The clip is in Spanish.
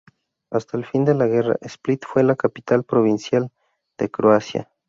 Hasta el fin de la guerra Split fue la capital provisional de Croacia.